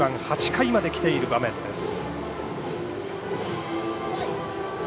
８回まできている場面です。